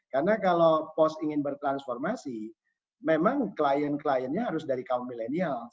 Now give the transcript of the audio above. karena kalau pos ingin bertransformasi memang klien kliennya harus dari kaum milenial